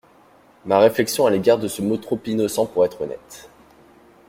Ma réflexion à l'égard de ce mot trop innocent pour être honnête...